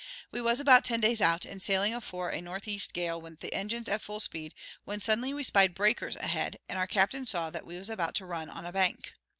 We was about ten days out, and sailing afore a northeast gale with the engines at full speed, when suddenly we spied breakers ahead, and our captain saw we was about to run on a bank.